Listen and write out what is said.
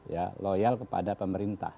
ya loyal kepada pemerintah